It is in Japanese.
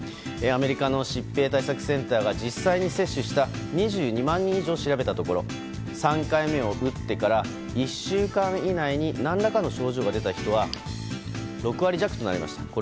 アメリカの疾病対策センターが実際に接種した２２万人以上を調べたところ３回目を打ってから１週間以内に何らかの症状が出た人は６割弱となりました。